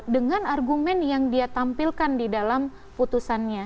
dengan argumen yang dia tampilkan di dalam putusannya